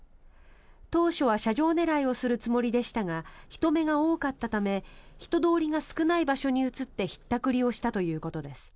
当初は車上狙いをするつもりでしたが人目が多かったため人通りが少ない場所に移ってひったくりをしたということです。